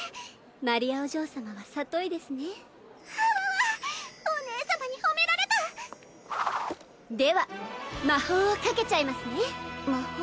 マリアお嬢様は聡いですねはわわお姉様に褒められたでは魔法をかけちゃいますね魔法？